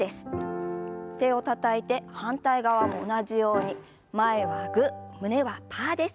手をたたいて反対側も同じように前はグー胸はパーです。